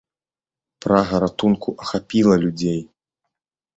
Прага ратунку ахапіла людзей.